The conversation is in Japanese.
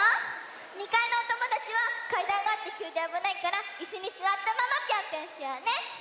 ２かいのおともだちはかいだんがあってきゅうであぶないからいすにすわったままぴょんぴょんしようね！